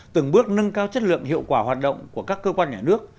từng bước nâng cao chất lượng hiệu quả hoạt động của các cơ quan nhà nước